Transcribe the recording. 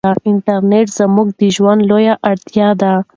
انټرنيټ زموږ د ژوند لویه اړتیا ده.